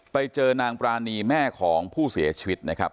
ไปเจอนางปรานีแม่ของผู้เสียชีวิตนะครับ